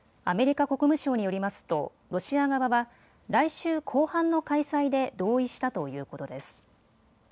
アメリカ国務省によりますとロシア側は来週後半の開催で同意したということです。